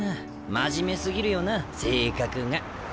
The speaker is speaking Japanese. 真面目すぎるよな性格が。